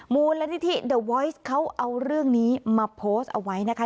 มูลนิธิเดอร์วอยซ์เขาเอาเรื่องนี้มาโพสต์เอาไว้นะคะ